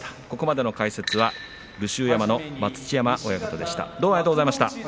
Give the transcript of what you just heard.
ここまでの解説は武州山の待乳山親方でした。